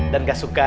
dan gak suka